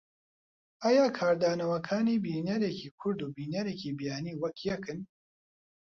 ئایا کاردانەوەکانی بینەرێکی کورد و بینەرێکی بیانی وەک یەکن؟